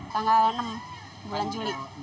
tanggal enam bulan juli